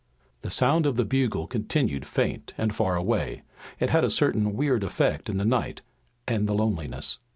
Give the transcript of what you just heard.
The sound of the bugle continued faint and far away. It had a certain weird effect in the night and the loneliness.